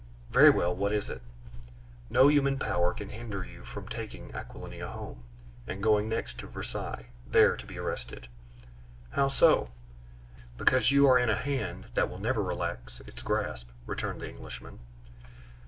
"Very well, what is it?" "No human power can hinder you from taking Aquilina home, and going next to Versailles, there to be arrested." "How so?" "Because you are in a hand that will never relax its grasp," returned the Englishman.